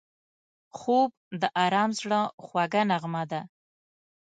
خوب د آرام زړه خوږه نغمه ده